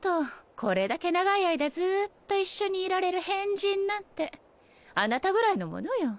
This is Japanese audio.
これだけ長い間ずっと一緒にいられる変人なんてあなたぐらいのものよ。